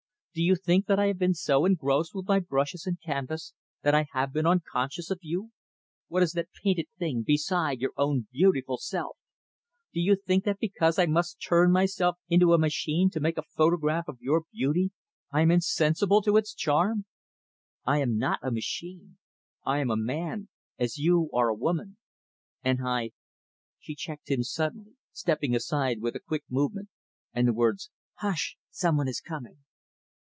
Do you think that I have been so engrossed with my brushes and canvas that I have been unconscious of you? What is that painted thing beside your own beautiful self? Do you think that because I must turn myself into a machine to make a photograph of your beauty, I am insensible to its charm? I am not a machine. I am a man; as you are a woman; and I " She checked him suddenly stepping aside with a quick movement, and the words, "Hush, some one is coming."